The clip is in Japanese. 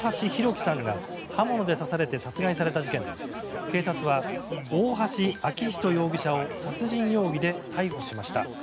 輝さんが刃物で刺されて殺害された事件で警察は大橋昭仁容疑者を殺人容疑で逮捕しました。